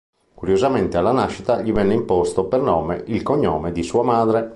Curiosamente alla nascita gli venne imposto per nome il cognome di sua madre.